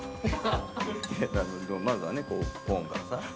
まずはねコーンからさ。